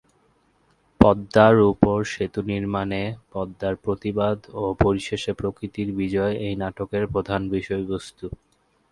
পদ্মার উপর সেতু নির্মাণে পদ্মার প্রতিবাদ ও পরিশেষে প্রকৃতির বিজয় এই নাটকের প্রধান বিষয়বস্তু।